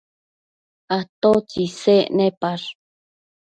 atotsi isec nepash?